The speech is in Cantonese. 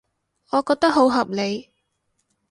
我覺得好合理